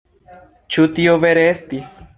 Ĉu tio vere estis?